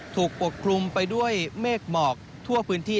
ปกคลุมไปด้วยเมฆหมอกทั่วพื้นที่